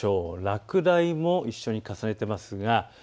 落雷も一緒に重ねています。